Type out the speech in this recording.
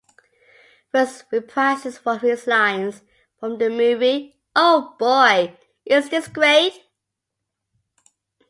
Furst reprises one of his lines from the movie: Oh boy, is this great!